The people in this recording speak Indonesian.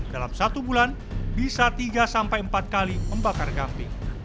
dalam satu bulan bisa tiga sampai empat kali membakar kambing